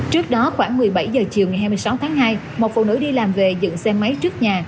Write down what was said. trước đó khoảng một mươi bảy h chiều ngày hai mươi sáu tháng hai một phụ nữ đi làm về dựng xe máy trước nhà